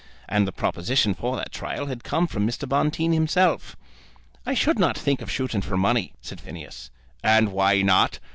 And the proposition for that trial had come from Mr. Bonteen himself. "I should not think of shooting for money," said Phineas. "And why not?